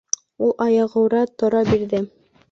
— Ул аяғүрә тора бирҙе.